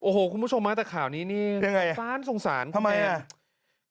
โอ้โหคุณผู้ชมนะแต่ข่าวนี้นี่ส้านสงสารคุณแนนคุณแนนยังไงทำไมน่ะ